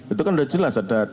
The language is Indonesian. itu kan sudah jelas ada